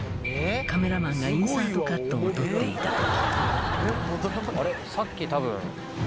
「カメラマンがインサートカットを撮っていた時」